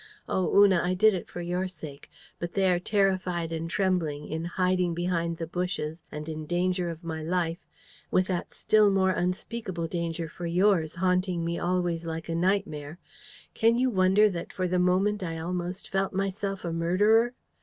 Oh, Una, I did it for your sake; but there, terrified and trembling, in hiding behind the bushes, and in danger of my life, with that still more unspeakable danger for yours haunting me always like a nightmare, can you wonder that for the moment I almost felt myself a murderer?